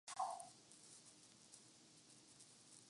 کوئی نشان حیدر یا کوئی ستائش کا سرٹیفکیٹ ملا